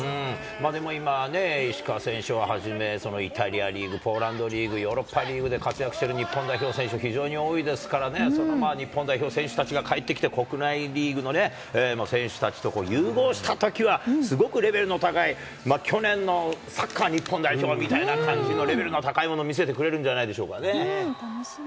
でも今ね、石川選手をはじめ、イタリアリーグ、ポーランドリーグ、ヨーロッパリーグで活躍してる日本代表選手、非常に多いですからね、日本代表選手たちが帰ってきて、国内リーグの選手たちと融合したときは、すごくレベルの高い、去年のサッカー日本代表みたいな感じの、レベルの高いもの見せて楽しみ。